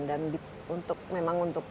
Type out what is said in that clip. dan memang untuk